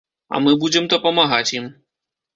А мы будзем дапамагаць ім.